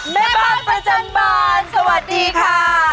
แม่บ้านประจันบานสวัสดีค่ะ